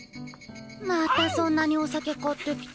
またそんなにお酒買ってきて。